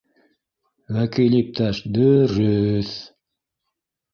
— Вәкил иптәш, дө-рө-өҫ